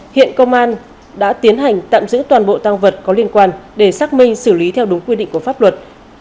hiện công an đã tiến hành tạm giữ toàn bộ tăng vật có liên quan để xác minh xử lý theo đúng quy định của pháp luật